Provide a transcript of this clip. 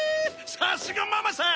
さすがママさん！